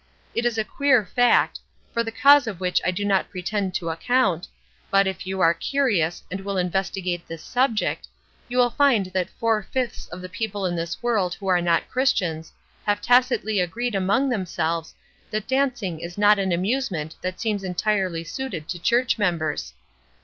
It is a queer fact, for the cause of which I do not pretend to account, but if you are curious, and will investigate this subject, you will find that four fifths of the people in this world who are not Christiana have tacitly agreed among themselves that dancing is not an amusement that seems entirely suited to church members.